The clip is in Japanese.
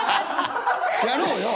やろうよ。